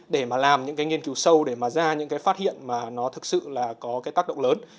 để mà làm những nghiên cứu sâu để mà ra những phát hiện mà nó thực sự là có tác động lớn